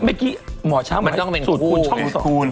เมื่อกี้หมอช้าวมันสูตรคูณ